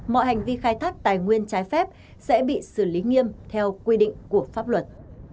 mọi hành vi khai thác tài nguyên trái phép sẽ bị xử lý nghiêm theo quy định của pháp luật